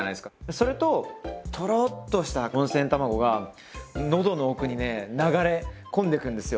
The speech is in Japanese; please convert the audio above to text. それとトローッとした温泉卵が喉の奥にね流れ込んでくんですよ。